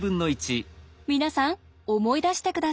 皆さん思い出して下さい。